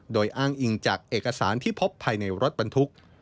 โดยอ้างอิงจากเอกสารที่พบภายในรถบรรทุก